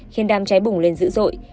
khiến đàm cháy bùng lên dữ dội